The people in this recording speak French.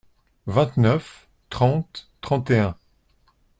vingt-neuf, trente, trente et un.